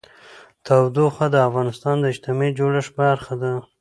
تودوخه د افغانستان د اجتماعي جوړښت برخه ده.